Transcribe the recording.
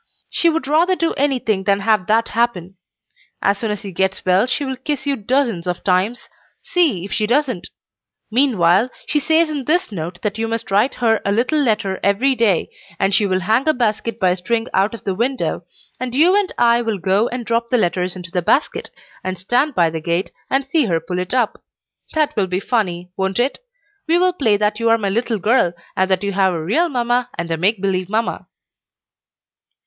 She would rather do anything than have that happen. As soon as he gets well she will kiss you dozens of times, see if she doesn't. Meanwhile, she says in this note that you must write her a little letter every day, and she will hang a basket by a string out of the window, and you and I will go and drop the letters into the basket, and stand by the gate and see her pull it up. That will be funny, won't it? We will play that you are my little girl, and that you have a real mamma and a make believe mamma."